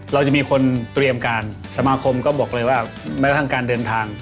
เราจะมีคนเตรียมการสมาคมก็บอกเลยว่าแม้กระทั่งการเดินทาง